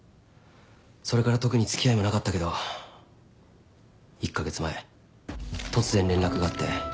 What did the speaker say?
それから特に付き合いもなかったけど１カ月前突然連絡があって。